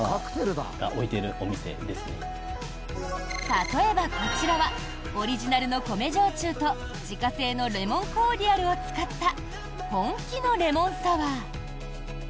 例えば、こちらはオリジナルの米焼酎と自家製のレモンコーディアルを使った本気のレモンサワー。